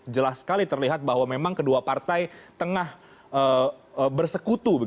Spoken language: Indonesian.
jelas sekali terlihat bahwa memang kedua partai tengah bersekutu